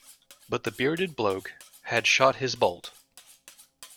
But the bearded bloke had shot his bolt.